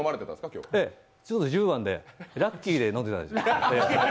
ちょっと十番で、ラッキーで飲んでたんです。